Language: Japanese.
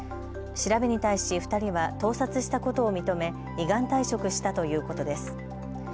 調べに対し２人は盗撮したことを認め依願退職したということです。